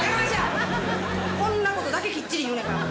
こんなことだけきっちり言うねんから。